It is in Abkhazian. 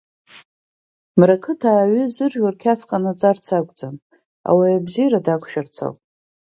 Мрақыҭаа аҩы зыржәуа рқьаф ҟанаҵарц акәӡам, ауаҩы абзиара дақәшәарц ауп!